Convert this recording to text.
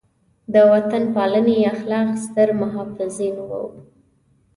د وطن پالنې اخلاق ستر محافظین وو.